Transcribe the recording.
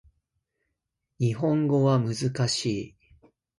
日本語は難しい